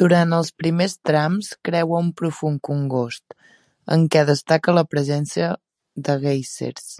Durant els primers trams creua un profund congost, en què destaca la presència de guèisers.